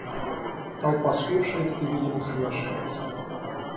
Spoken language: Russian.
Толпа слушает и, видимо, соглашается.